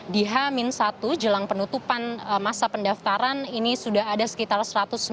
di h satu jelang penutupan masa pendaftaran ini sudah ada sekitar satu ratus sembilan puluh